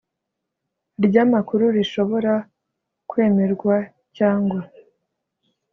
Ry amakuru rishobora kwemerwa cyangwa